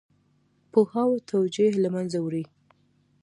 پوهاوی توجیه له منځه وړي.